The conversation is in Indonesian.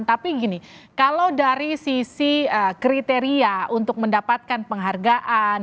tapi gini kalau dari sisi kriteria untuk mendapatkan penghargaan